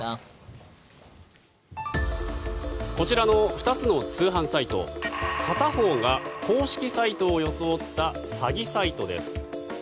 こちらの２つの通販サイト片方が公式サイトを装った詐欺サイトです。